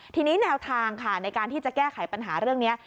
ทีนี้แนวทางค่ะในการที่จะแก้ไขปัญหาเรื่องนี้